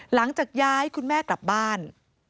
หลังจากย้ายคุณแม่กลับบ้าน